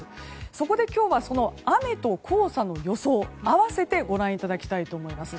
そこで今日はその雨と黄砂の予想を合わせてご覧いただきたいと思います。